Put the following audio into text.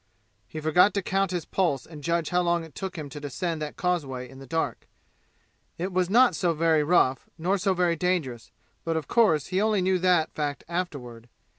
He forgot to count his pulse and judge how long it took him to descend that causeway in the dark. It was not so very rough, nor so very dangerous, but of course he only knew that fact afterward.